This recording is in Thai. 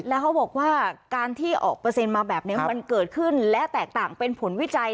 แล้วเขาบอกว่าการที่ออกเปอร์เซ็นต์มาแบบนี้มันเกิดขึ้นและแตกต่างเป็นผลวิจัย